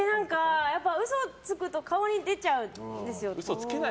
嘘をつくと顔に出ちゃうんですよ。